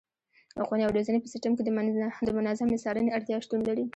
د ښوونې او روزنې په سیستم کې د منظمې څارنې اړتیا شتون لري.